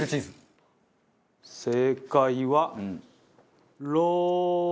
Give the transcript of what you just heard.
正解は。